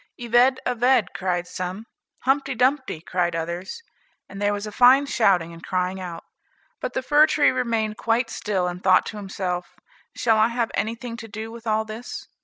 "Ivede Avede," cried some. "Humpty Dumpty," cried others, and there was a fine shouting and crying out. But the fir tree remained quite still, and thought to himself, "Shall I have anything to do with all this?"